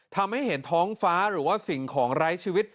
ทำให้เห็นท้องฟ้าหรือว่าสิ่งของไร้ชีวิต